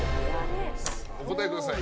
お答えください。